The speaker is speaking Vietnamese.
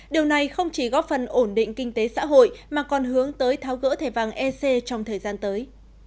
điều này không chỉ góp phần ổn định kinh tế xã hội mà còn hướng tới tháo gỡ thẻ vàng ec trong thời gian tới